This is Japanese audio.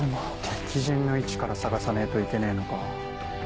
敵陣の位置から探さねぇといけねえのか。